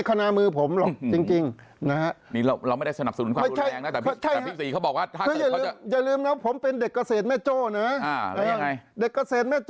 อ้อคุณศรีสุวรรณบอกนะผมเด็กเกษตรแม่โจ้นะ